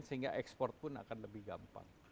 sehingga ekspor pun akan lebih gampang